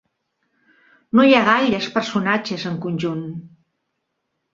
No hi ha gaires personatges en conjunt.